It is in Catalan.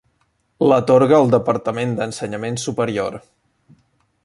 L'atorga el Departament d'Ensenyament Superior.